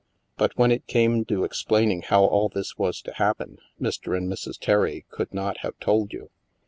But, when it came to explaining how all this was to happen, Mr. and Mrs. Terry could not have told you.